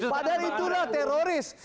padahal itulah teroris